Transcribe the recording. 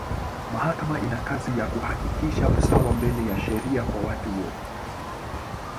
Mahakama ina kazi ya kuhakikisha usawa mbele ya sheria kwa watu wote.